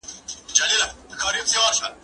زه به سبا د کتابتون پاکوالی کوم